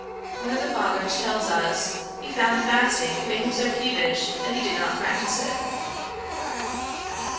One of the fathers tells us, he found fasting made him so peevish that he did not practise it.'